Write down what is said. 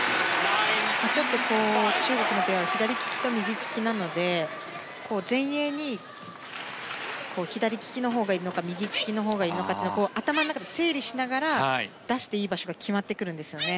ちょっと中国のペアは左利きと右利きなので前衛に左利きのほうがいるのか右利きのほうがいるのかって頭の中で整理しながら出していい場所が決まってくるんですよね。